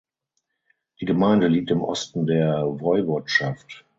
Die Gemeinde liegt im Osten der Woiwodschaft.